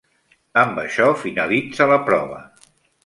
Amb això finalitza la prova.